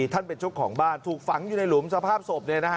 ท่านเป็นชุดของบ้านถูกฝังอยู่ในหลุมสภาพศพ